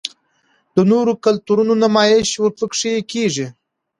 د نورو کلتورونو نمائش ورپکښې کـــــــــــــــــېږي